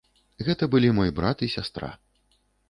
Гэта былі мой брат і сястра.